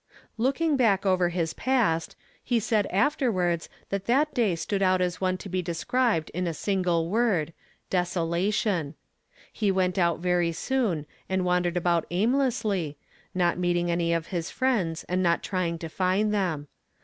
Looking back over iiis past, he said afterwards, that that day stood out as one to be described in a single word — desolation. lie went out very soon, and wandered about aimlessly, not meeting any of his friends, and not trying to find them.